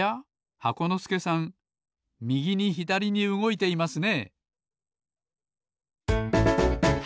箱のすけさんみぎにひだりにうごいていますね。